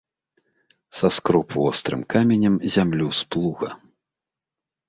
Саскроб вострым каменем зямлю з плуга.